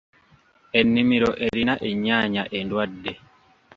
Ennimiro erina ennyaanya endwadde.